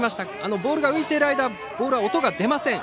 ボールが浮いている間ボールは音が出ません。